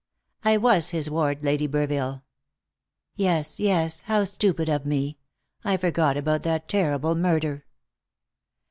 "I was his ward, Lady Burville." "Yes, yes; how stupid of me! I forgot about that terrible murder."